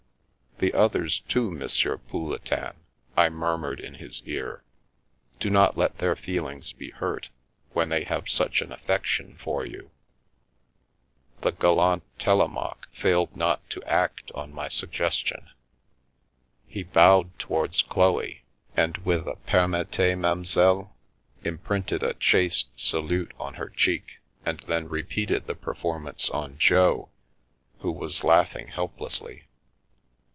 " The others, too, M. Pouletin !" I murmured in his ear, " do not let their feelings be hurt, when they have such an affection for you " The gallant Telemaque failed not to act on my sugges 316 The World Obtrudes Itself tion. He bowed towards Chloe, and with a " permettez, m'amzelle ?" imprinted a chaste salute on her cheek, and then repeated the performance on Jo, who was laughing helplessly.